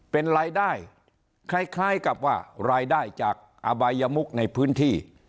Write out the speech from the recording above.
เป็นรายได้คล้ายกับว่ารายได้จากอบายมุกในพื้นที่